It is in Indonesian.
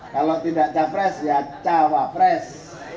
kalau tidak capres ya cawapres